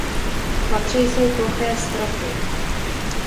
V patře jsou ploché stropy.